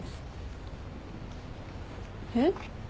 えっ？